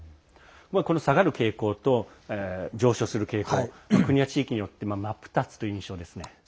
下がる傾向と上昇する傾向、国や地域によって真っ二つという印象ですね。